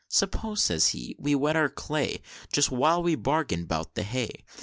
'Suppose,' says he, 'we wet our clay, Just while we bargin 'bout the hay.